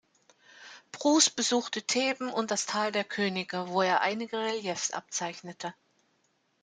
Bruce besuchte Theben und das Tal der Könige, wo er einige Reliefs abzeichnete.